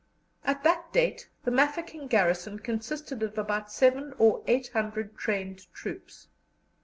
At that date the Mafeking garrison consisted of about seven or eight hundred trained troops.